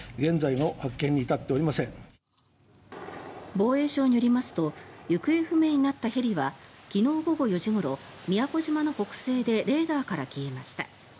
防衛省によりますと行方不明になったヘリは昨日午後４時ごろ宮古島の北西でレーダーから消えました。